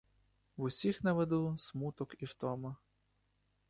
В усіх на виду — смуток і втома.